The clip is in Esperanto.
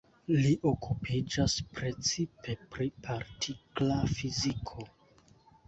Li okupiĝas precipe pri partikla fiziko.